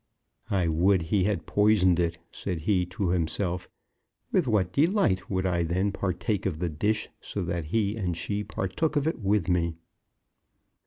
"I would he had poisoned it," said he to himself. "With what delight would I then partake of the dish, so that he and she partook of it with me!"